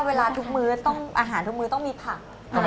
เวลาทุกมื้ออาหารทุกมื้อต้องมีผัก